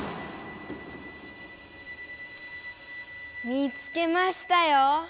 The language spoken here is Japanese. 見つけましたよ！